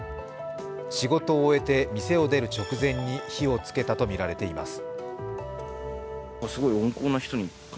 仕事を終えて店を出る直前に火をつけたとみられています。